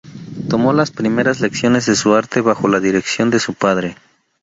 Tomó las primeras lecciones de su arte bajo la dirección de su padre.